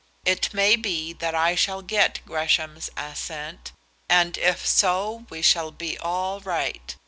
It may be that I shall get Gresham's assent, and if so we shall be all right.